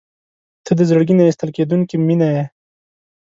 • ته د زړګي نه ایستل کېدونکې مینه یې.